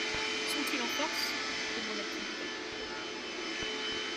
Sont-ils en force? demanda-t-il tout à coup.